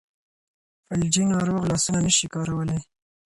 فلجي ناروغ لاسونه نشي کارولی.